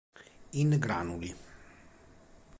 In granuli.